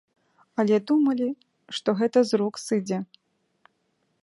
Але думалі, што гэта з рук сыдзе.